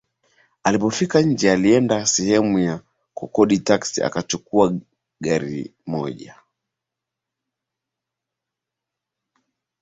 Alipofika nje alienda sehemu ya kukodi taksi akachukua gari moja